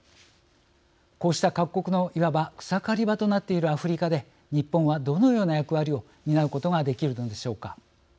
こうした各国のいわば草刈り場となっているアフリカで日本は、どのような役割を担うことができるのでしょうか。